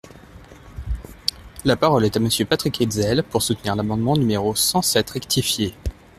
La parole est à Monsieur Patrick Hetzel, pour soutenir l’amendement numéro cent sept rectifié.